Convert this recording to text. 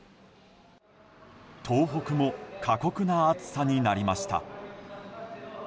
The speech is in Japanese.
東北も過酷な暑さになりました。